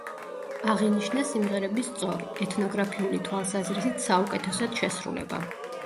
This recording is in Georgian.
აღინიშნა სიმღერების სწორი, ეთნოგრაფიული თვალსაზრისით საუკეთესოდ შესრულება.